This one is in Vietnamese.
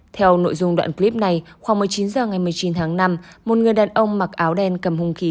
theo nội dung đoạn clip này khoảng một mươi chín h ngày một mươi chín tháng năm một người đàn ông mặc áo đen cầm hung khí